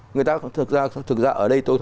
người ta thực ra ở đây